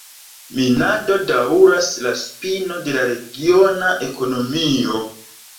Minado daŭras la spino de la regiona ekonomio.